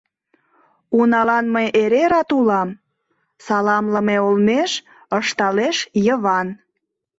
— Уналан мый эре рат улам, — саламлыме олмеш ышталеш Йыван.